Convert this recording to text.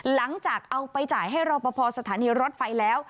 หลังจากเอาไปจ่ายให้รอปภสถานีรถไฟแล้ว